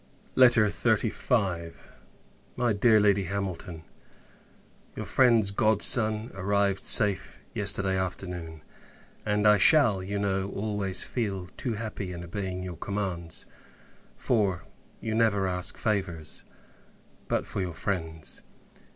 LETTER XXXV. MY DEAR LADY HAMILTON, Your friend's godson arrived safe yesterday afternoon; and I shall, you know, always feel too happy in obeying your commands: for, you never ask favours, but for your friends.